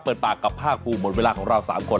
เปิดปากกับภาคภูมิหมดเวลาของเรา๓คน